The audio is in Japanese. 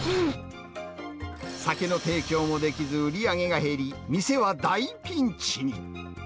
酒の提供もできず、売り上げが減り、店は大ピンチに。